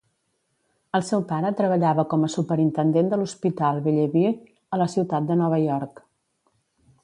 El seu pare treballava com a superintendent de l'Hospital Bellevue a la ciutat de Nova York.